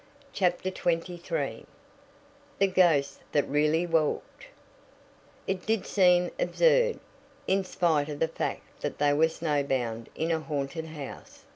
CHAPTER XXIII THE GHOST THAT REALLY WALKED It did seem absurd, in spite of the fact that they were snowbound in a "haunted house."